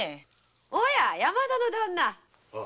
オャ山田の旦那！